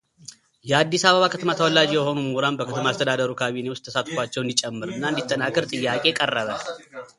የአዲስ አበባ ከተማ ተወላጅ የሆኑ ምሁራን በከተማ አስተዳደሩ ካቢኔ ውስጥ ተሳትፏቸው እንዲጨምርና እንዲጠናከር ጥያቄ ቀረበ፡፡